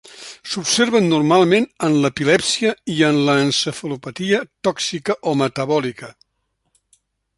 S'observen normalment en l'epilèpsia i en l'encefalopatia tòxica o metabòlica.